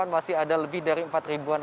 masih ada lebih dari empat ribuan